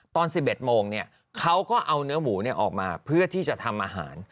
ตอน๑๑โมงเขาก็เอาเนื้อหมูออกมาเพื่อที่จะทำอาหาร